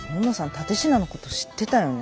蓼科のこと知ってたよね。